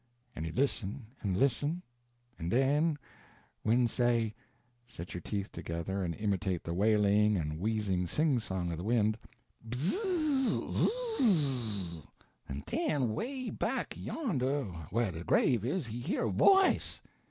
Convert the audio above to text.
En he listen en listen en de win' say (set your teeth together and imitate the wailing and wheezing singsong of the wind), "Bzzz z zzz" en den, way back yonder whah de grave is, he hear a voice!